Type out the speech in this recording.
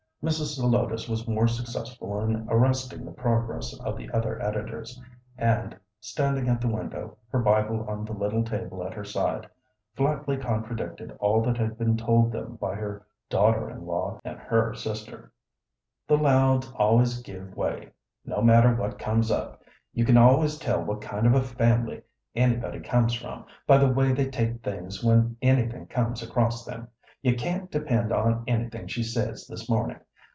Mrs. Zelotes was more successful in arresting the progress of the other editors, and (standing at the window, her Bible on the little table at her side) flatly contradicted all that had been told them by her daughter in law and her sister. "The Louds always give way, no matter what comes up. You can always tell what kind of a family anybody comes from by the way they take things when anything comes across them. You can't depend on anything she says this morning.